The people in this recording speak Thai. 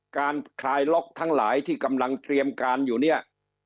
คลายล็อกทั้งหลายที่กำลังเตรียมการอยู่เนี่ย